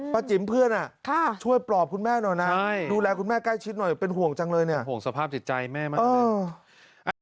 จิ๋มเพื่อนช่วยปลอบคุณแม่หน่อยนะดูแลคุณแม่ใกล้ชิดหน่อยเป็นห่วงจังเลยเนี่ยห่วงสภาพจิตใจแม่มาก